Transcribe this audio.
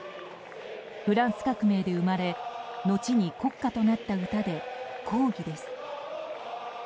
フランス革命で生まれ後に国歌となった歌で抗議です。